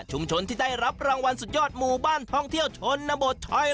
ที่ได้รับรางวัลสุดยอดหมู่บ้านท่องเที่ยวชนบทชัย